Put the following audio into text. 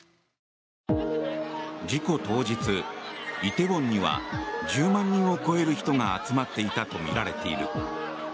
事故当日、梨泰院には１０万人を超える人が集まっていたとみられている。